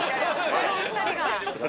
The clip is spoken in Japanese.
このお二人が。